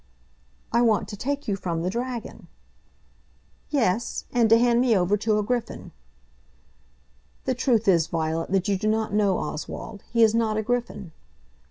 "I want to take you from the dragon." "Yes; and to hand me over to a griffin." "The truth is, Violet, that you do not know Oswald. He is not a griffin."